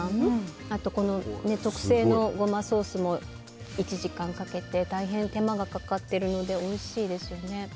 あと特製のゴマソースも１時間かけて大変手間がかかっているのでおいしいですよね。